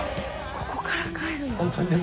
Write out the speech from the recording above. ここから帰るの？